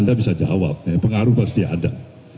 anda bisa jawab pengaruh pasti ada